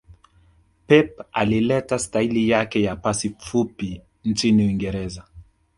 Pep alileta staili yake ya pasi fupi nchini uingereza